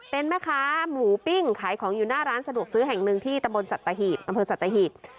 เป็นแม่ค้าหมูปิ้งขายของอยู่หน้าร้านสะดวกซื้อแห่งหนึ่งที่ตะบนสัตหีบอำเภอสัตหีบ